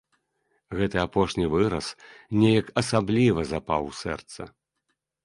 Гэты апошні выраз неяк асабліва запаў у сэрца.